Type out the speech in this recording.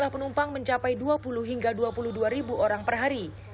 jumlah penumpang mencapai dua puluh hingga dua puluh dua ribu orang per hari